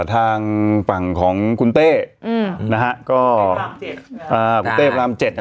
ทางฝั่งของคุณเต้อืมนะฮะก็อ่าคุณเต้พระรามเจ็ดอ่ะ